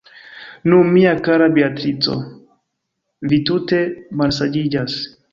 Nu, mia kara Beatrico, vi tute malsaĝiĝas.